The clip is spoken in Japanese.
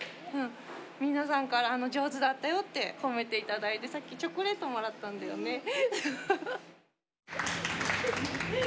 皆さんから「上手だったよ」って褒めていただいてさっきチョコレートもらったんだよね。